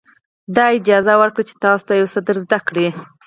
دا اجازه ورکړئ چې تاسو ته یو څه در زده کړي.